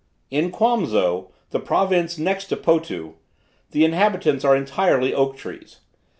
In Quamso, the province next to Potu, the inhabitants are entirely oak trees.